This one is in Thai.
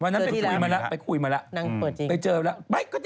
วันนั้นไปคุยมาแล้วไปเจอแล้ว